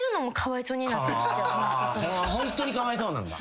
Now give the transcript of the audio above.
ホントにかわいそうなんだ。